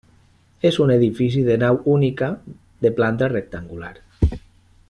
És un edifici de nau única, de planta rectangular.